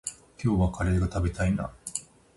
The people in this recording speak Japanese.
今日はカレーが食べたいな。